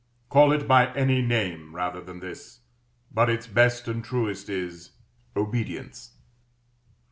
Call it by any name rather than this, but its best and truest is, Obedience.